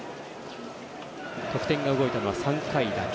得点が動いたのは３回だけ。